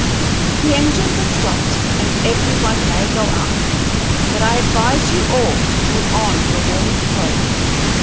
The engines are stopped, and every one may go up, but I advise you all to put on your warmest clothes.